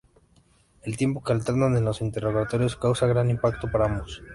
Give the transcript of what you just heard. El tiempo que alternan en los interrogatorios causa gran impacto para ambos.